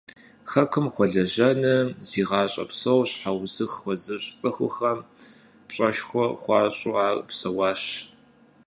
Хэкум хуэлэжьэным зи гъащӀэ псор щхьэузыхь хуэзыщӀ цӀыхухэм пщӀэшхуэ хуащӀу ар псэуащ.